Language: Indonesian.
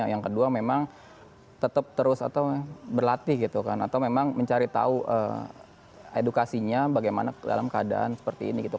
yang kedua memang tetap terus atau berlatih gitu kan atau memang mencari tahu edukasinya bagaimana dalam keadaan seperti ini gitu